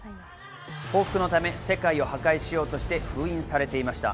報復のため世界を破壊しようとして封印されていました。